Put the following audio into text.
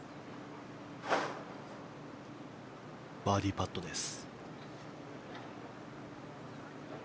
バーディーパットです。